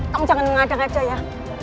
kamu jangan mengadang aja ya